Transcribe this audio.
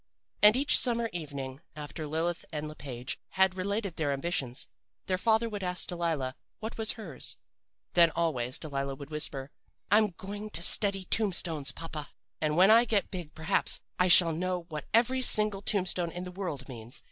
"And each summer evening after Lilith and Le Page had related their ambitions, their father would ask Delilah what was hers. Then always Delilah would whisper; 'I'm going to study tombstones, papa! And when I get big perhaps I shall know what every single tombstone in the world means.